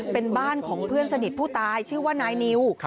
เป็นบ้านของเพื่อนสนิทผู้ตายชื่อว่านายนิว